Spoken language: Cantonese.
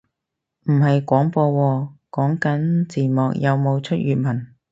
唔係廣播喎，講緊字幕有冇出粵文